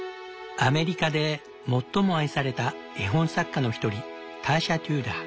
アメリカで最も愛された絵本作家の一人ターシャ・テューダー。